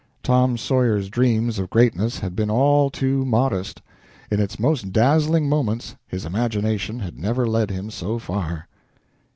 Tom Sawyer's dreams of greatness had been all too modest. In its most dazzling moments his imagination had never led him so far.